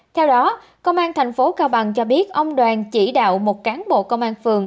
theo đó công an tp cao bằng cho biết ông đoàn chỉ đạo một cán bộ công an phường